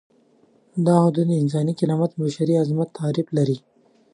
دا حدود د انساني کرامت او بشري عظمت تعریف لري.